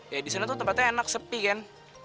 ya di sana tuh tempatnya enak sepi kan